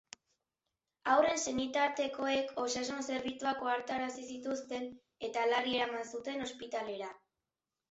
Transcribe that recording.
Haurren senitartekoek osasun zerbitzuak ohartarazi zituzten eta larri eraman zuten ospitalera.